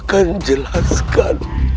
aku akan jelaskan